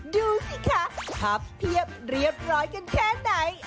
ดูสิคะพับเพียบเรียบร้อยกันแค่ไหน